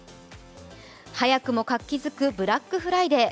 早くも活気づくブラックフライデー。